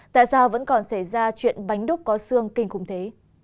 tại sao vẫn còn xảy ra chuyện bánh đúc có xương kinh cùng thế